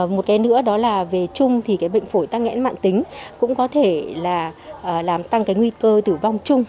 một cái nữa đó là về chung thì cái bệnh phổi tắc nghẽn mạng tính cũng có thể là làm tăng cái nguy cơ tử vong chung